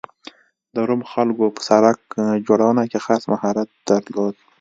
د روم خلکو په سړک جوړونه کې خاص مهارت درلود